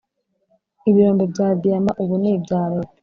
ibirombe bya diyama Ubu ni ibya leta